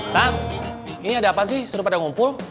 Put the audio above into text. tam ini ada apa sih suruh pada ngumpul